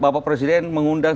bapak presiden mengundang soal ini